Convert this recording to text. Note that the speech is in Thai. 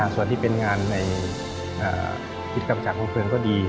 ส่วนที่เป็นงานในกิจกรรมจากโรงเครื่องก็ดี